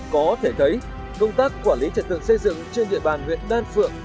có thể thấy công tác quản lý trật tượng xây dựng trên huyện đan phượng